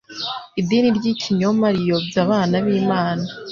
idini ry'ikinyoma riyobya abana b'Imana